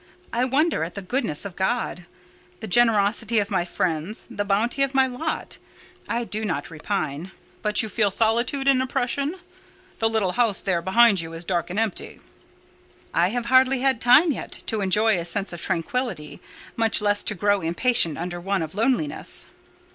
I wonder at the goodness of God; the generosity of my friends; the bounty of my lot. I do not repine." "But you feel solitude an oppression? The little house there behind you is dark and empty." "I have hardly had time yet to enjoy a sense of tranquillity, much less to grow impatient under one of loneliness."